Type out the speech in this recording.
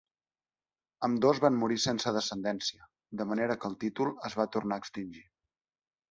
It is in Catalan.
Ambdós van morir sense descendència, de manera que el títol es va tornar a extingir.